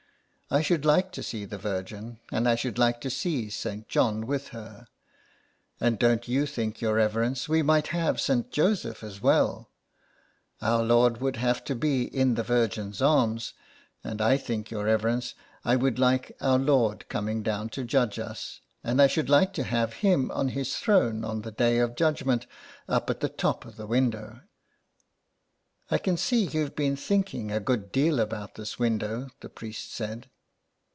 I should like to see the Virgin and I should like to see St. John with her. And don't you think, your reverence, we might have St. Joseph as well. Our Lord would have to be in the Virgin's arms, and I think, your reverence, I would 99 SOME PARISHIONERS. like Our Lord coming down to judge us, and I should like to have Him on His throne on the day of Judgment up at the top of the window." " I can see you've been thinking a good deal about this window/' the priest said.